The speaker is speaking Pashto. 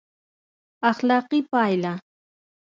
اخلاقي پایله: